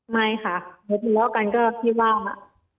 ไม่ค่ะทะเลาะกันก็ที่ว่าวมา